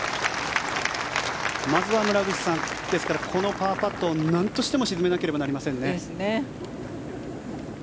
まずは村口さんですからこのパーパットをなんとしても沈めなければなりませんね。ですね。